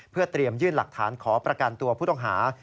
เพื่อเตรียมยื่นหลักฐานขอประกันตัวผู้ต้องหา